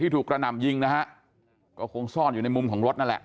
ถูกกระหน่ำยิงนะฮะก็คงซ่อนอยู่ในมุมของรถนั่นแหละ